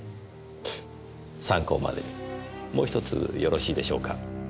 参考までにもう一つよろしいでしょうか？